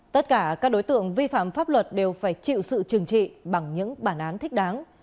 tất cả các đối tượng vi phạm pháp luật đều phải chịu sự trừng trị bằng những bản án thích đáng